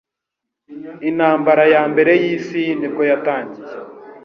intambara yambere y'isi nibwo yatangiye